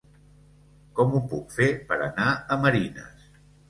Com ho puc fer per anar a Marines?